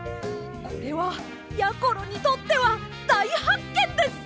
これはやころにとってはだいはっけんです！